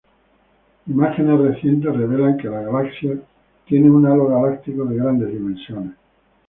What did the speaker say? Imágenes recientes revelan que la galaxia tiene un halo galáctico de grandes dimensiones.